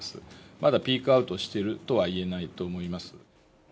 まだピークアウトしているとはいえないと思います。